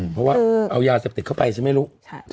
เพราะว่าเอายาเสพติดเข้าไปใช่ไหมไม่รู้